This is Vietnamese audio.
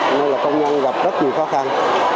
nên là công nhân gặp rất nhiều khó khăn